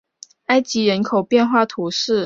埃代人口变化图示